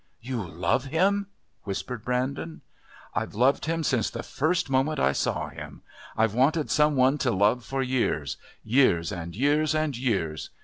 "You love him!" whispered Brandon. "I've loved him since the first moment I saw him. I've wanted some one to love for years years and years and years.